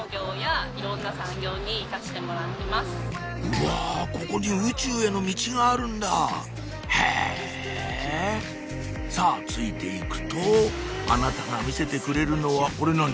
うわここに宇宙へのミチがあるんだへぇさぁついて行くとあなたが見せてくれるのはこれ何？